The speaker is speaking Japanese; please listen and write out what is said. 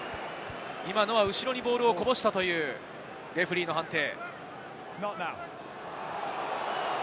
後ろにボールをこぼしたというレフェリーの判定。